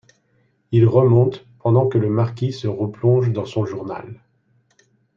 Il remonte pendant que le marquis se replonge dans son journal.